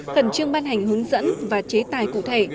khẩn trương ban hành hướng dẫn và chế tài cụ thể